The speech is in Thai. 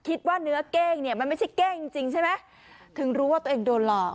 คิดว่าเนื้อเก้งเนี่ยมันไม่ใช่เก้งจริงจริงใช่ไหมถึงรู้ว่าตัวเองโดนหลอก